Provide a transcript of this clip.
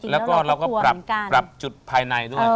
แล้วก็เราก็ปรับจุดภายในด้วย